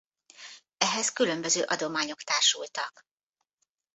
Ehhez különböző adományok társultak.